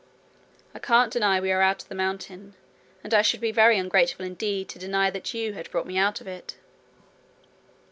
'I can't deny we are out of the mountain, and I should be very ungrateful indeed to deny that you had brought me out of it.'